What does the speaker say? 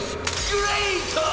グレート！